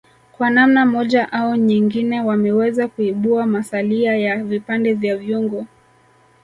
Kwa namna moja au nyengine wameweza kuibua masalia ya vipande vya vyungu